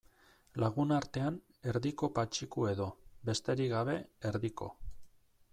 Lagunartean, Erdiko Patxiku edo, besterik gabe, Erdiko.